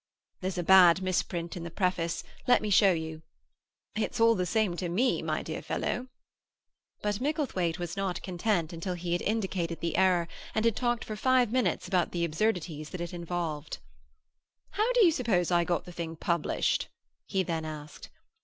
"There's a bad misprint in the Preface. Let me show you—" "It's all the same to me, my dear fellow." But Micklethwaite was not content until he had indicated the error, and had talked for five minutes about the absurdities that it involved. "How do you suppose I got the thing published?" he then asked.